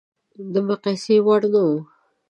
د مقایسې وړ نه و.